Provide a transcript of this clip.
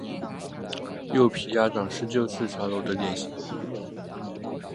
柚皮鸭掌是旧式茶楼的点心。